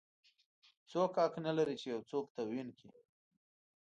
هیڅوک حق نه لري چې یو څوک توهین کړي.